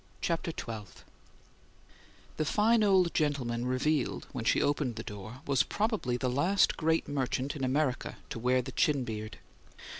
CHAPTER XII The fine old gentleman revealed when she opened the door was probably the last great merchant in America to wear the chin beard.